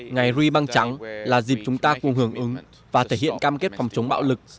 ngày ribbon day là dịp chúng ta cùng hưởng ứng và thể hiện cam kết phòng chống bạo lực